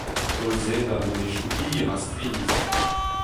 Tolzennad menezioù hir ha strizh.